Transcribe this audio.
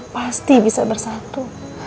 pasti bisa bersatu